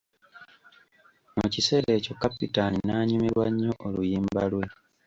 Mu kiseera ekyo Kapitaani n'anyumirwa nnyo oluyimba lwe.